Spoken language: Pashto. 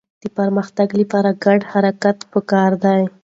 د پرمختګ لپاره ګډ حرکت پکار دی.